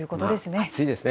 暑いですね。